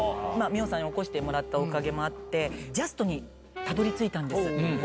美穂さんに起こしてもらったおかげもあって、ジャストにたどりついたんです。